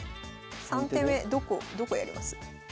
３手目どこどこやります？